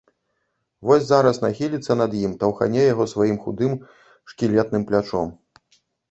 Вось зараз нахіліцца над ім, таўхане яго сваім худым шкілетным плячом.